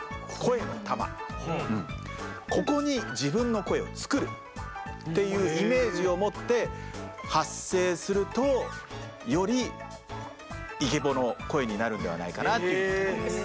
ここに自分の声を作るっていうイメージを持って発声するとよりイケボの声になるのではないかなというふうに思います。